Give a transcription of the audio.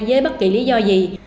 với bất kỳ lý do gì